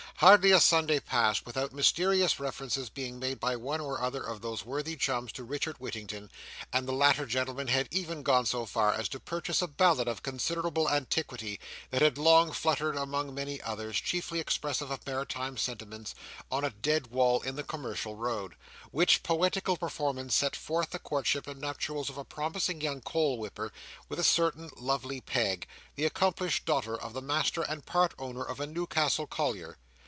Hardly a Sunday passed, without mysterious references being made by one or other of those worthy chums to Richard Whittington; and the latter gentleman had even gone so far as to purchase a ballad of considerable antiquity, that had long fluttered among many others, chiefly expressive of maritime sentiments, on a dead wall in the Commercial Road: which poetical performance set forth the courtship and nuptials of a promising young coal whipper with a certain "lovely Peg," the accomplished daughter of the master and part owner of a Newcastle collier.